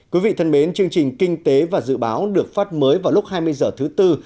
quý vị thân mến chương trình kinh tế và dự báo được phát mới vào lúc hai mươi h thứ tư